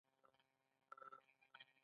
موږ باید هغه حقوق جبران کړو.